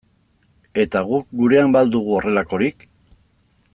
Eta guk gurean ba al dugu horrelakorik?